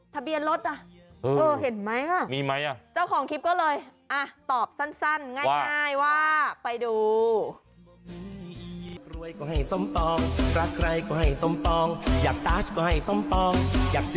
ทะเบียนรถอ่ะเออเห็นไหมอ่ะมีไหมอ่ะเจ้าของคลิปก็เลยอ่ะตอบสั้นง่ายว่าไปดู